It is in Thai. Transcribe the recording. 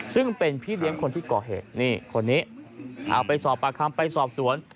ซึ่งเป็นพี่เลี้ยงคนที่ก่อเหตุนี่คนนี้เอาไปสอบปากคำไปสอบสวน